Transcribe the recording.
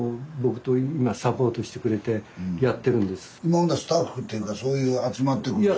あこれね今スタッフというかそういう集まってくるんですか？